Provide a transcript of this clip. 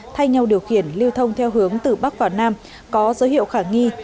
thay nhau điều khiển lưu thông theo hướng từ bắc vào nam có dấu hiệu khả nghi